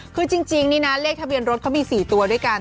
คือจริงนี่นะเลขทะเบียนรถเขามี๔ตัวด้วยกัน